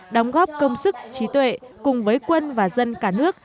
đóng góp công sức trí tuệ cùng với quân và dân cả nước